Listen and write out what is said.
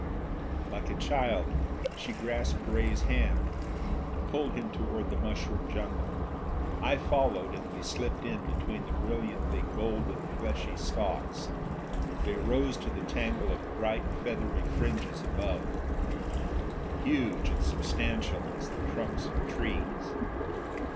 Like a child, she grasped Ray's hand, pulled him toward the mushroom jungle. I followed, and we slipped in between the brilliantly golden, fleshy stalks. They rose to the tangle of bright feathery fringes above, huge and substantial as the trunks of trees.